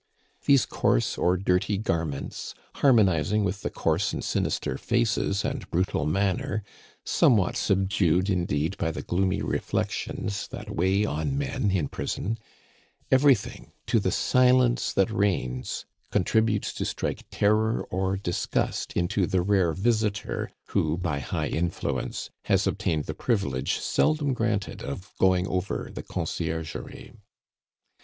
These coarse or dirty garments, harmonizing with the coarse and sinister faces and brutal manner somewhat subdued, indeed, by the gloomy reflections that weigh on men in prison everything, to the silence that reigns, contributes to strike terror or disgust into the rare visitor who, by high influence, has obtained the privilege, seldom granted, of going over the Conciergerie.